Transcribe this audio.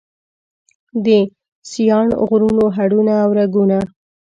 د سیاڼ غرونو هډونه او رګونه